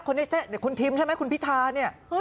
คนนี้คุณทิมใช่ไหมคุณพิธาเนี่ย